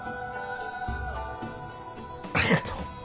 ありがとう。